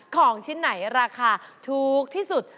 ของชิ้นไหนราคาถูกที่สุด